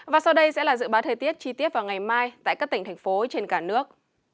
và sau đây sẽ là dự báo thời tiết chi tiết vào ngày mai tại các tỉnh thành phố trên cả nước